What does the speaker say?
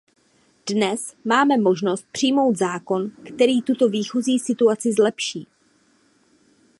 Dnes máme možnost přijmout zákon, který tuto výchozí situaci zlepší.